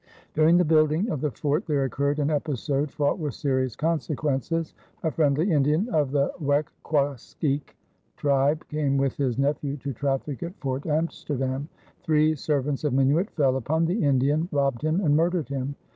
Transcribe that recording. During the building of the fort there occurred an episode fraught with serious consequences. A friendly Indian of the Weckquaesgeeck tribe came with his nephew to traffic at Fort Amsterdam. Three servants of Minuit fell upon the Indian, robbed him, and murdered him.